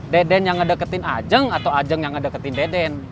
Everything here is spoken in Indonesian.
deden yang ngedeketin ajeng atau ajeng yang ngedeketin deden